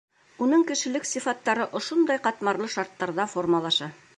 Уның кешелек сифаттары ошондай ҡатмарлы шарттарҙа формалаша.